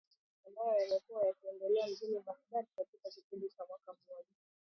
ambayo yamekuwa yakiendelea mjini Baghdad katika kipindi cha mwaka mmoja